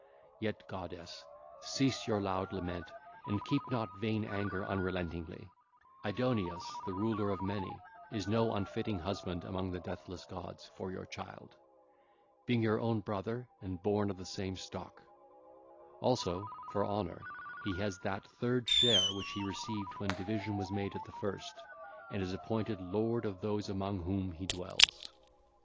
Yet, goddess, cease your loud lament and keep not vain anger unrelentingly: Aidoneus, the Ruler of Many, is no unfitting husband among the deathless gods for your child, being your own brother and born of the same stock: also, for honour, he has that third share which he received when division was made at the first, and is appointed lord of those among whom he dwells.